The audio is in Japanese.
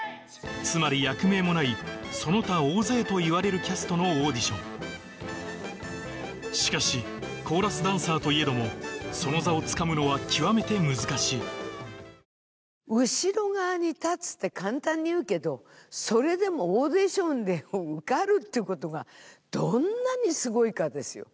つまり役名もないその他大勢といわれるキャストのオーディションしかしコーラスダンサーといえどもその座をつかむのは極めて難しい後ろ側に立つって簡単に言うけどそれでもオーディションで受かるってことがどんなにすごいかですよ